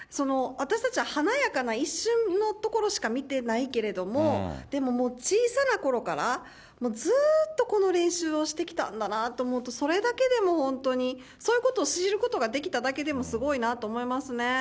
私たちは華やかな一瞬のところしか見てないけれども、でももう、小さなころから、ずーっとこの練習をしてきたんだなと思うと、それだけでも本当に、そういうことを知ることができただけでもすごいなと思いますね。